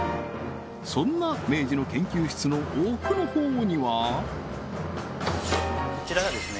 そんな明治の研究室の奥のほうにはこちらがですね